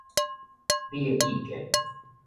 你的意見